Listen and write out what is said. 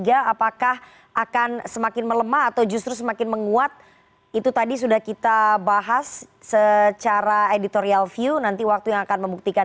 apakah akan semakin melemah atau justru semakin menguat itu tadi sudah kita bahas secara editorial view nanti waktu yang akan membuktikan